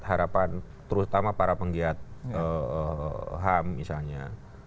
harapan terutama para penggiat ham misalnya